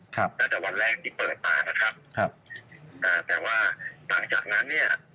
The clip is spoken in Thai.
หลังจากวันแรกที่เปิดตานะครับแต่ว่าต่างจากนั้นเนี่ย